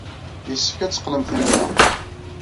Yessefk ad teqqlemt imir-a.